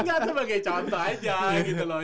kita sebagai contoh aja gitu loh